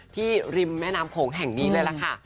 ริมแม่น้ำโขงแห่งนี้เลยล่ะค่ะ